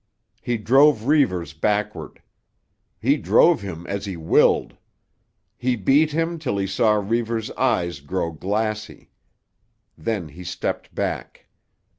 He drove Reivers backward. He drove him as he willed. He beat him till he saw Reivers' eyes grow glassy. Then he stepped back.